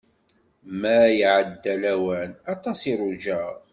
Ma iɛedda lawan, aṭas i rujaɣ.